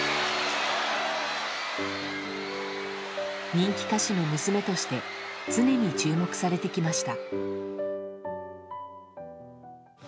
人気歌手の娘として常に注目されてきました。